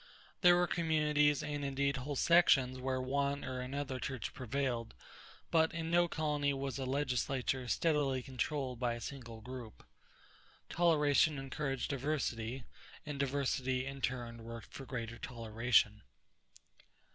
There were communities and indeed whole sections where one or another church prevailed, but in no colony was a legislature steadily controlled by a single group. Toleration encouraged diversity, and diversity, in turn, worked for greater toleration.